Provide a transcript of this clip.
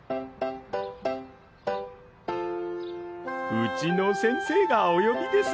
うちの先生がお呼びです。